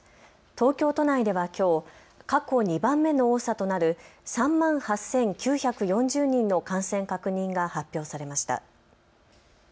東京都内ではきょう過去２番目の多さとなる３万８９４０人の感染確認が発表されました。